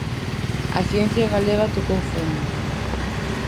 A ciencia galega tocou fondo.